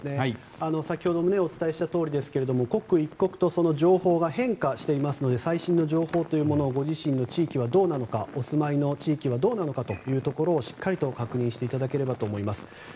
先ほどもお伝えしたとおりですが、刻一刻と状況が変化していますので最新の情報というものをご自身の地域、お住まいの地域をしっかりと確認していただければと思います。